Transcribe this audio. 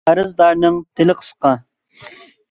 قەرزدارنىڭ تىلى قىسقا.